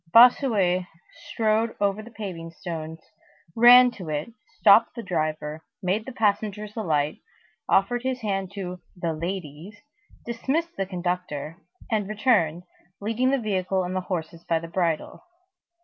Bossuet strode over the paving stones, ran to it, stopped the driver, made the passengers alight, offered his hand to "the ladies," dismissed the conductor, and returned, leading the vehicle and the horses by the bridle.